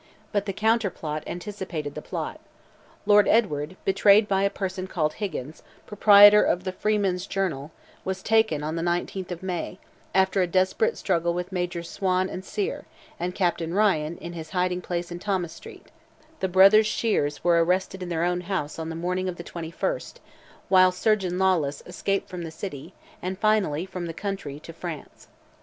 But the counterplot anticipated the plot. Lord Edward, betrayed by a person called Higgins, proprietor of the Freeman's Journal, was taken on the 19th of May, after a desperate struggle with Majors Swan and Sirr, and Captain Ryan, in his hiding place in Thomas Street; the brothers Sheares were arrested in their own house on the morning of the 21st, while Surgeon Lawless escaped from the city, and finally from the country, to France.